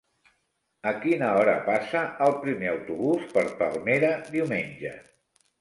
A quina hora passa el primer autobús per Palmera diumenge?